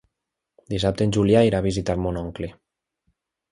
Dissabte en Julià irà a visitar mon oncle.